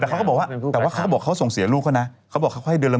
แต่เขาก็บอกว่าเขาส่งเสียลูกอะนะเขาบอกว่าเขาให้เดือนละ๑๒๐๐๐